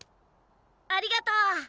ありがとう！